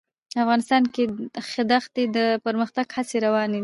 افغانستان کې د ښتې د پرمختګ هڅې روانې دي.